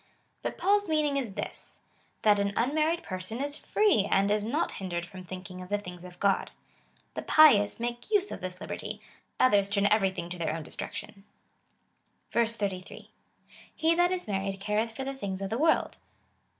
But Paul's meaning is this — that an unmarried person is free, and is not hindered from thinking of the things of God. The pious make use of this liberty. Others turn everything to their own destruction. 33. He that is married carethfor the things of the world.